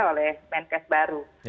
oleh menkes baru